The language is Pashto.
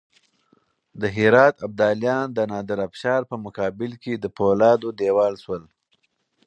د هرات ابدالیان د نادرافشار په مقابل کې د فولادو دېوال شول.